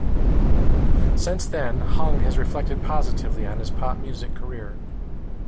Since then, Hung has reflected positively on his pop music career.